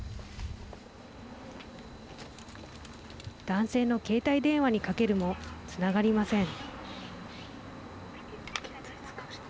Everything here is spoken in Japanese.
男性の携帯電話にかけるもつながりません。